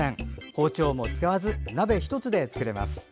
包丁も使わず鍋ひとつで作れます。